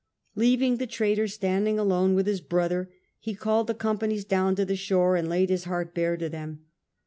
Leaving the traitor standing alone with his brother, he called the companies down to the shore, and laid his heart bare to them.